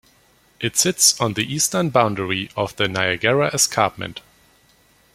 It sits on the eastern boundary of the Niagara Escarpment.